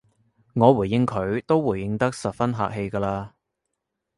我回應佢都回應得十分客氣㗎喇